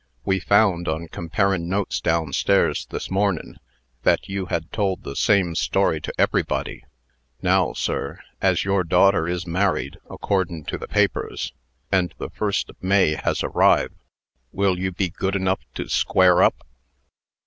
We found, on comparin' notes down stairs, this mornin', that you had told the same story to everybody. Now, sir, as your daughter is married, accordin' to the papers, and the 1st of May has arriv', will you be good enough to square up?"